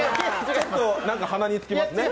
ちょっと鼻につきますね。